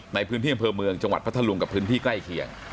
ในพื้นที่อำเภอเมืองจังหวัดพัทธรุงกับพื้นที่ใกล้เคียง